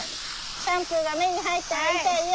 シャンプーが目に入ったら痛いよ。